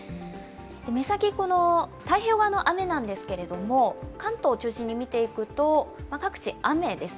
目先、太平洋側の雨なんですけれども、関東を中心に見ていくと各地、雨です。